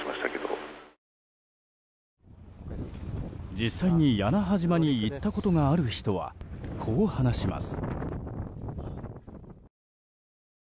実際に屋那覇島に行ったことがある人はこう話します。